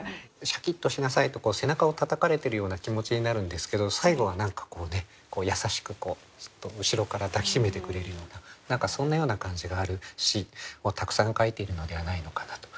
シャキッとしなさいと背中をたたかれているような気持ちになるんですけど最後は何かこうね優しくそっと後ろから抱き締めてくれるような何かそんなような感じがある詩をたくさん書いているのではないのかなと。